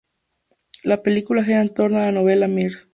La película gira en torno a la novela "Mrs.